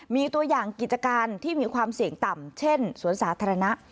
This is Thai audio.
มีตัวอย่างกิจการที่มีความเสี่ยงต่ำเช่นสวนสาธารณะ